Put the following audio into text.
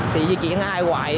thì di chuyển ai hoài